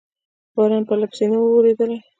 باران پرلپسې نه و اورېدلی.